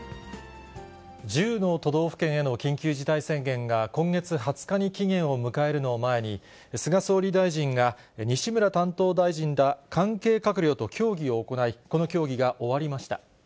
１０の都道府県への緊急事態宣言が今月２０日に期限を迎えるのを前に、菅総理大臣が、西村担当大臣ら関係閣僚と協議を行い、この協議が終わりました。